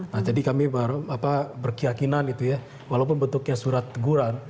nah jadi kami berkeyakinan itu ya walaupun bentuknya surat teguran